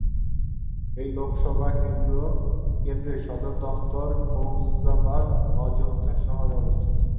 এই লোকসভা কেন্দ্রের সদর দফতর ফৈজাবাদ/অযোধ্যা শহরে অবস্থিত।